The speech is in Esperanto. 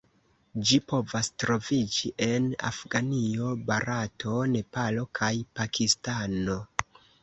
Ĝi povas troviĝi en Afganio, Barato, Nepalo kaj Pakistano.